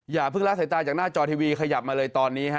อย่าเพิ่งละสายตาจากหน้าจอทีวีขยับมาเลยตอนนี้ฮะ